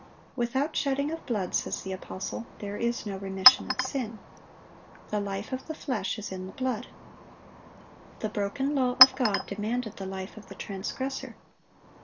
"Without shedding of blood," says the apostle, there is no remission of sin. "The life of the flesh is in the blood."(688) The broken law of God demanded the life of the transgressor.